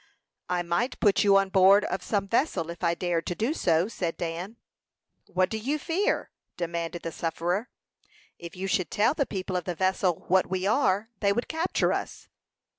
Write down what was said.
"I might put you on board of some vessel if I dared to do so," said Dan. "What do you fear?" demanded the sufferer. "If you should tell the people of the vessel what we are, they would capture us."